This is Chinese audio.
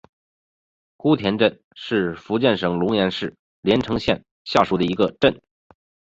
姑田镇是福建省龙岩市连城县下辖的一个镇。